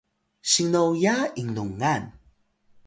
sinnoya inlungan